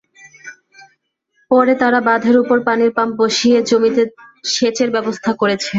পরে তাঁরা বাঁধের ওপর পানির পাম্প বসিয়ে জমিতে সেচের ব্যবস্থা করছেন।